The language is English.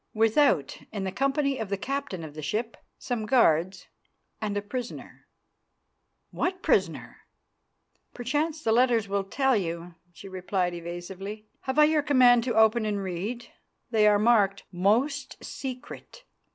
"Without, in the company of the captain of the ship, some guards, and a prisoner." "What prisoner?" "Perchance the letters will tell you," she replied evasively. "Have I your command to open and read? They are marked 'Most Secret.